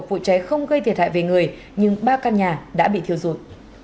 vụ cháy không gây thiệt hại về người nhưng ba căn nhà đã bị thiêu rụt